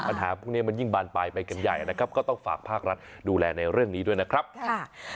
ปัญหาพวกนี้มันยิ่งบานปลายไปกันใหญ่นะครับก็ต้องฝากภาครัฐดูแลในเรื่องนี้ด้วยนะครับค่ะ